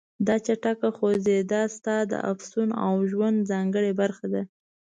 دا چټکه خوځېدا ستا د افسون او ژوند ځانګړې برخه ده.